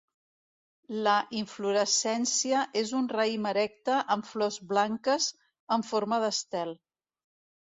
La inflorescència és un raïm erecte amb flors blanques en forma d'estel.